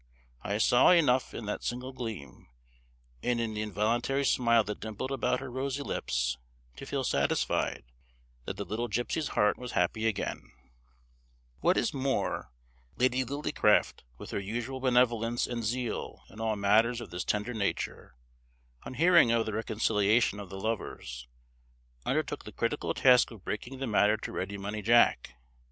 I saw enough in that single gleam, and in the involuntary smile that dimpled about her rosy lips, to feel satisfied that the little gipsy's heart was happy again. [Illustration: Reconciliation] What is more, Lady Lillycraft, with her usual benevolence and zeal in all matters of this tender nature, on hearing of the reconciliation of the lovers, undertook the critical task of breaking the matter to Ready Money Jack.